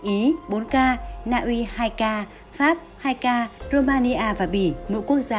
ý bốn ca naui hai ca pháp hai ca romania và bỉ nội quốc gia một ca